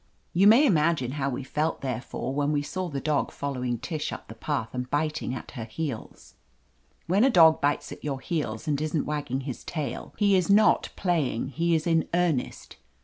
You may imagine how we felt, therefor^, when we saw the dog following Tish up the 296 OF LETITIA CARBERRY path, and biting at her heels. (When a dog bites at your heels, and isn't wagging his tail, he is not playing ; he is in earnest.